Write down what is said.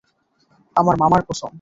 আমার মামার কসম।